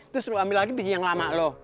terus lu ambil lagi peci yang lama lo